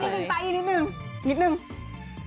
นิดนึง